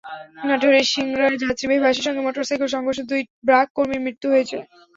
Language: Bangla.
নাটোরের সিংড়ায় যাত্রীবাহী বাসের সঙ্গে মোটরসাইকেলের সংঘর্ষে দুই ব্র্যাক কর্মীর মৃত্যু হয়েছে।